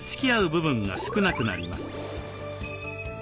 部分が少なくなります。